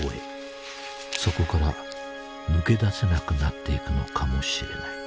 そこから抜け出せなくなっていくのかもしれない。